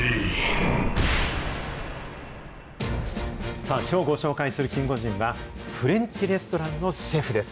さあ、きょうご紹介するキンゴジンは、フレンチレストランのシェフです。